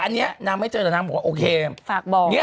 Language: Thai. น้ำให้เจอนักบอกโอเค